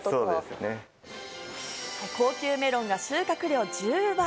高級メロンが収穫量１０倍。